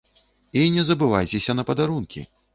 І не забывайцеся на падарункі!